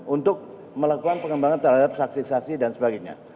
untuk melakukan pengembangan terhadap saksi saksi dan sebagainya